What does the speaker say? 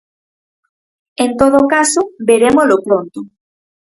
En todo caso, verémolo pronto.